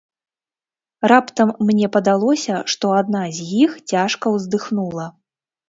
Раптам мне падалося, што адна з іх цяжка ўздыхнула.